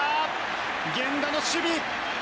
源田の守備！